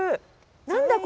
何だ？